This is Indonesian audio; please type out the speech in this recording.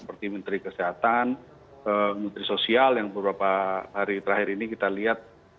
seperti menteri kesehatan menteri sosial yang beberapa hari terakhir ini kita lihat